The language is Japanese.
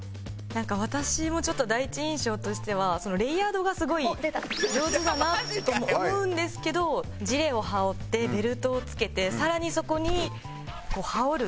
なんか私もちょっと第一印象としてはレイヤードがすごい上手だなと思うんですけどジレを羽織ってベルトを着けて更にそこに羽織る。